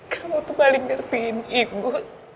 kamu tuh paling ngertiin ikut